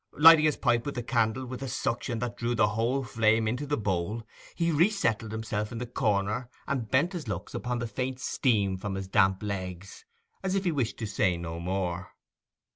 Lighting his pipe at the candle with a suction that drew the whole flame into the bowl, he resettled himself in the corner and bent his looks upon the faint steam from his damp legs, as if he wished to say no more.